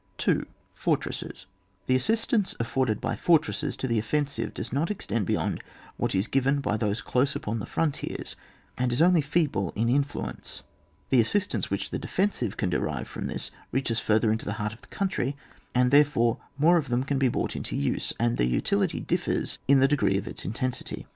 2. — FortreiSM, The assistance afforded by fortresses to the offensive does not extend beyond what is given by those close upon the frontiers, and is only feeble in influence ; the assistance which the defensive can derive from this reaches further into the heart of the country, and there fore more of them can be brought into use, and their utility itself differs in the degree of its intensity.